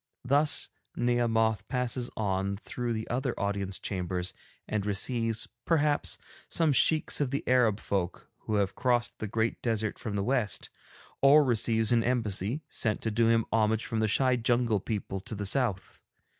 Thus Nehemoth passes on through the other Audience Chambers and receives, perhaps, some Sheikhs of the Arab folk who have crossed the great desert from the West, or receives an embassy sent to do him homage from the shy jungle people to the South.